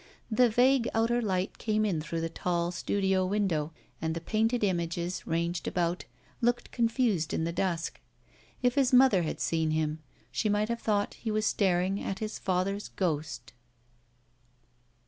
The vague outer light came in through the tall studio window and the painted images, ranged about, looked confused in the dusk. If his mother had seen him she might have thought he was staring at his father's ghost.